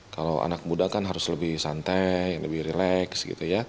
kalau anak muda kan harus lebih santai lebih rileks